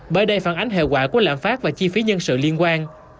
bởi đây phản ánh hệ quả của lãm phát và chi phí nhân sự liên quan